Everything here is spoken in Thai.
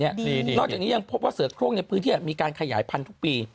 นอกจากนี้ยังพบว่าเสือโครงในพื้นที่มีการขยายพันธุ์ทุกปี